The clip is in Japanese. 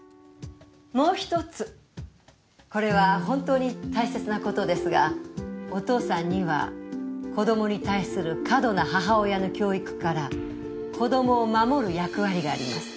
もう一つこれは本当に大切なことですがお父さんには子供に対する過度な母親の教育から子供を守る役割があります。